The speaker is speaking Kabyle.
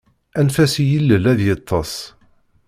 Anef-as i yilel ad yeṭṭes.